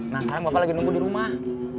nah sekarang bapak lagi nunggu di rumah